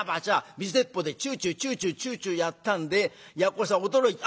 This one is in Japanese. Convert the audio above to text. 水鉄砲でチューチューチューチューチューチューやったんでやっこさん驚いた。